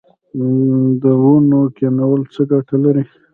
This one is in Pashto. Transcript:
د ونو کینول څه ګټه لري؟